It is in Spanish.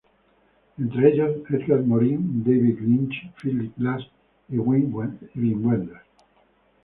Entre ellos, Edgar Morin, David Lynch, Philip Glass y Wim Wenders.